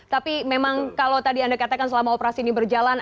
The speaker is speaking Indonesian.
tapi memang kalau tadi anda katakan selama operasi ini berjalan